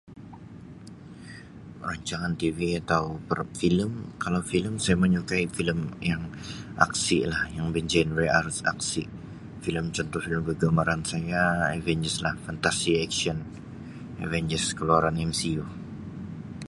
Rancangan TV atau prog filem kalau filem saya menyukai filem yang aksi lah yang bergenre aksi lah filem kegemaran Avengers lah fantasy action Avangers keluaran MCU.